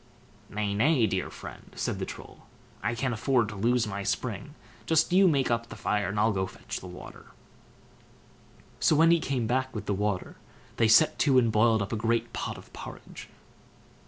"Nay, nay, dear friend!" said the Troll; "I can't afford to lose my spring; just you make up the fire, and I'll go and fetch the water." So when he came back with the water, they set to and boiled up a great pot of porridge.